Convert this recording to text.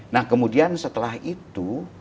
nah kemudian setelah itu